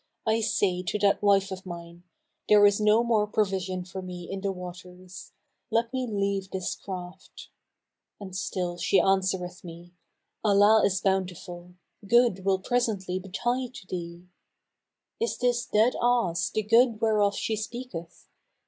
I say to that wife of mine, 'There is no more provision for me in the waters; let me leave this craft.' And she still answereth me, 'Allah is bountiful: good will presently betide thee.' Is this dead ass the good whereof she speaketh?"